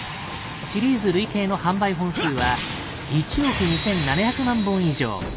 シリーズ累計の販売本数は１億２，７００万本以上。